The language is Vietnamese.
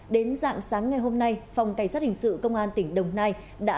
đến dạng sáng ngày hôm nay phòng cảnh sát hình sự công an tỉnh đồng nai đã